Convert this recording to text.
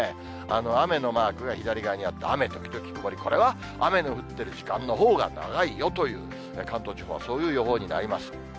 雨のマークが左側にあって、雨時々曇り、これは雨の降っている時間のほうが長いよという、関東地方はそういう予報になります。